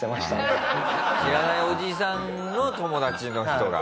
知らないおじさんの友達の人が。